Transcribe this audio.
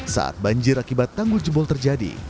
saat banjir akibat tanggul jebol terjadi